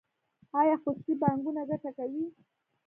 آیا خصوصي بانکونه ګټه کوي؟